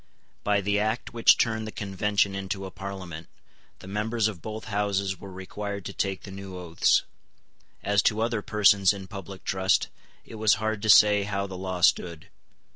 By the Act which turned the Convention into a Parliament, the members of both Houses were required to take the new oaths. As to other persons in public trust, it was hard to say how the law stood.